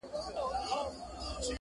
خدایه مینه د قلم ورکي په زړو کي ,